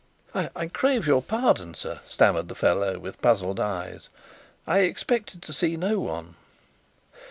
"I crave your pardon, sir," stammered the fellow, with puzzled eyes. "I expected to see no one."